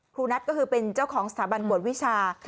นัทก็คือเป็นเจ้าของสถาบันกวดวิชา